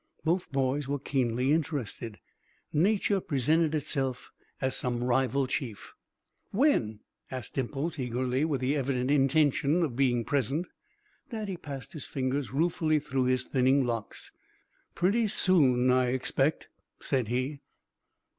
Both boys were keenly interested. Nature presented itself as some rival chief. "When?" asked Dimples, eagerly, with the evident intention of being present. Daddy passed his fingers ruefully through his thinning locks. "Pretty soon, I expect," said he.